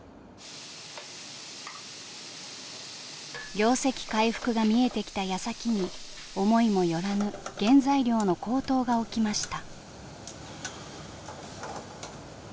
業績回復が見えてきたやさきに思いも寄らぬ原材料の高騰が起きました。